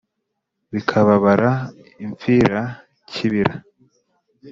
bikababara impfira-kibira,